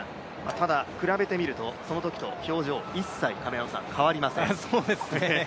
ただ、比べてみると、そのときと表情、一切変わりません。